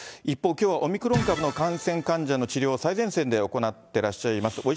一方、きょう、オミクロン株の感染患者の治療を最前線で行ってらっしゃいます